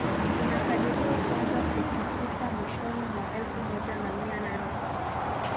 unakadiriwa kuanza kutukuka mwishoni mwa elfu moja na mia nane